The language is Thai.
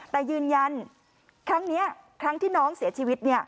แต่ยืนยันครั้งนี้ครั้งที่น้องเสียชีวิต